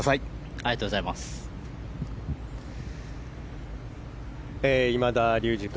ありがとうございます。